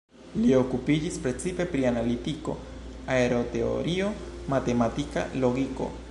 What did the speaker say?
Li okupiĝis precipe pri analitiko, aroteorio, matematika logiko.